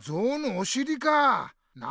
おしりか！